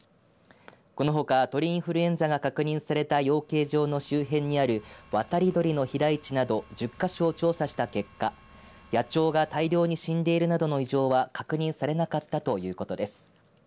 このほか鳥インフルエンザが確認された養鶏場の周辺にある渡り鳥の飛来地など１０か所を調査した結果野鳥が大量に死んでいるなどの異常は確認されなかったということです。